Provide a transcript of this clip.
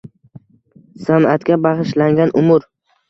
San’atga bag‘ishlangan umr